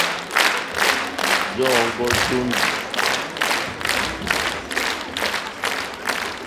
Jɔǃ́ɔ́ŋɡɔ́ jóndì.